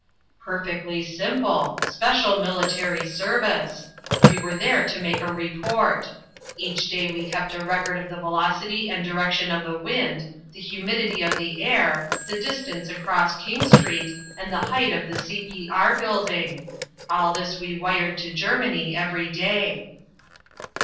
"Perfectly simple. Special military service. We were there to make a report. Each day we kept a record of the velocity and direction of the wind, the humidity of the air, the distance across King Street and the height of the C.P.R. Building. All this we wired to Germany every day."